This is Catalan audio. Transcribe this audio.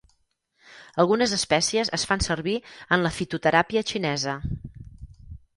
Algunes espècies es fan servir en la fitoteràpia xinesa.